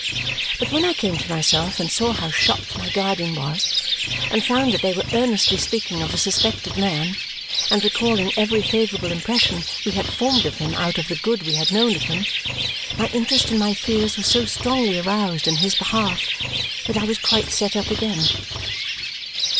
But when I came to myself and saw how shocked my guardian was and found that they were earnestly speaking of the suspected man and recalling every favourable impression we had formed of him out of the good we had known of him, my interest and my fears were so strongly aroused in his behalf that I was quite set up again.